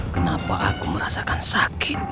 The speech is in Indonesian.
kenapa aku merasakan sakit